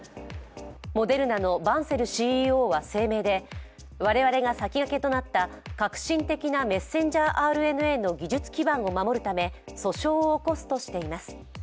モデルナのバンセルＣＥＯは声明で我々が先駆けとなった革新的なメッセンジャーＲＮＡの技術基盤を守るため訴訟を起こすとしています。